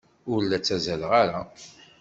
Ur la ttazzaleɣ ara.